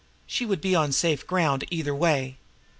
She would be on safe ground either way.